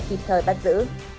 kịp thời bắt giữ